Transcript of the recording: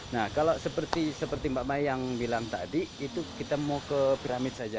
nah kalau seperti mbak mayang bilang tadi itu kita mau ke piramid saja